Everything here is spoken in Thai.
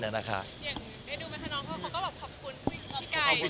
ได้ดูมั้ยคะน้องเขาก็แบบขอบคุณ